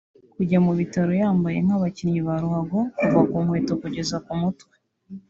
Kujya mu bitaramo yambaye nk’abakinnyi ba ruhago kuva ku nkweto kugeza ku mutwe